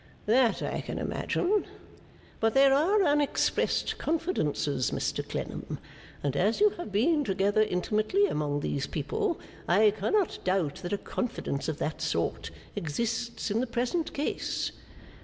That I can imagine. But there are unexpressed confidences, Mr Clennam; and as you have been together intimately among these people, I cannot doubt that a confidence of that sort exists in the present case.